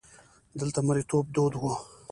دلته مریتوب دود وو.